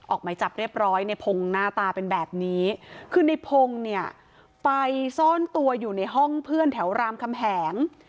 หมายจับเรียบร้อยในพงศ์หน้าตาเป็นแบบนี้คือในพงศ์เนี่ยไปซ่อนตัวอยู่ในห้องเพื่อนแถวรามคำแหง